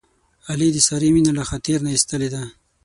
علي د سارې مینه له خاطر نه ایستلې ده.